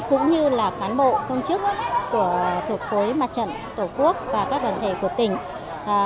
cũng như là cán bộ công chức thuộc khối mặt trận tổ quốc và các đoàn thể của tỉnh